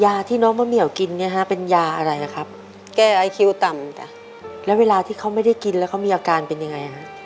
ที่น้องมะเหี่ยวกินเนี่ยฮะเป็นยาอะไรล่ะครับแก้ไอคิวต่ำจ้ะแล้วเวลาที่เขาไม่ได้กินแล้วเขามีอาการเป็นยังไงฮะ